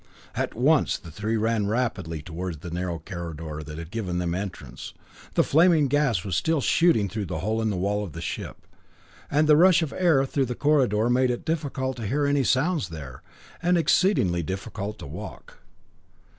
At once the three ran rapidly toward the narrow corridor that had given them entrance. The flaming gas was still shooting through the hole in the wall of the ship, and the rush of air through the corridor made it difficult to hear any sounds there, and exceedingly difficult to walk.